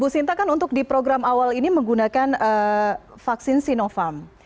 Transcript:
bu sinta kan untuk di program awal ini menggunakan vaksin sinovac